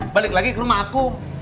balik lagi ke rumah aku